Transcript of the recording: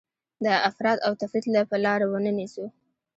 د افراط او تفریط لاره ونه نیسو.